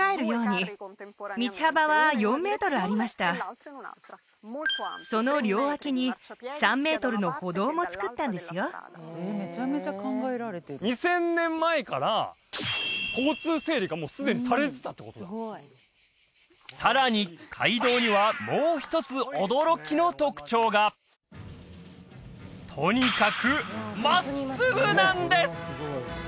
これその両脇に３メートルの歩道もつくったんですよ２０００年前から交通整理がもうすでにされてたってことださらに街道にはもう一つ驚きの特徴がとにかく真っすぐなんです！